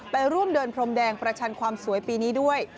ไปร่วมเดินพรมแดงประชันความสวยปีนี้ด้วย